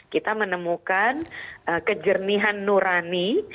kita menemukan kejernihan nurani